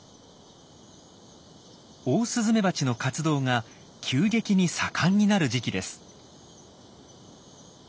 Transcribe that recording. オオスズメバチの活動が急激に盛んになる時期です。